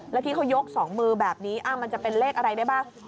แล้วที่เขายก๒มือแบบนี้มันจะเป็นเลขอะไรได้บ้าง